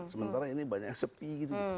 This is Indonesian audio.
sementara ini banyak sepi gitu